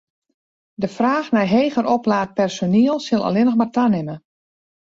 De fraach nei heger oplaat personiel sil allinnich mar tanimme.